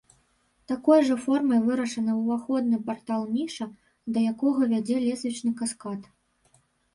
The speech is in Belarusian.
Такой жа формай вырашаны ўваходны партал-ніша, да якога вядзе лесвічны каскад.